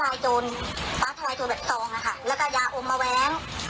ฟาสไทรโจรแบบทรองอ่ะค่ะแล้วก็ยาอมมาแว้ง